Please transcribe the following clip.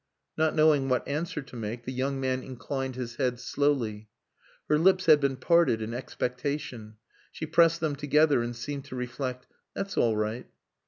Not knowing what answer to make, the young man inclined his head slowly. Her lips had been parted in expectation. She pressed them together, and seemed to reflect. "That's all right."